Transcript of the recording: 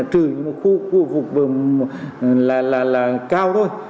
trừ khu vùng là cao thôi